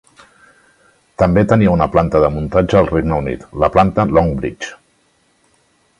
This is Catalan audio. També tenia una planta de muntatge al Regne Unit, la planta Longbridge.